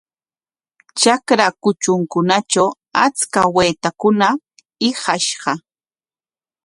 Trakra kutrunkunatraw achka waytakuna hiqashqa.